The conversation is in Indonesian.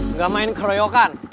nggak main keroyokan